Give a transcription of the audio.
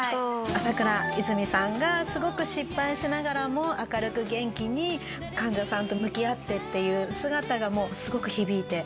朝倉いずみさんがすごく失敗しながらも明るく元気に患者さんと向き合ってっていう姿がもうすごく響いて。